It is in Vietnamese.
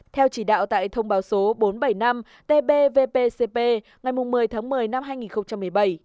theo chỉ đạo tại thông báo số bốn trăm bảy mươi năm tb vpcp ngày một mươi tháng một mươi năm hai nghìn một mươi bảy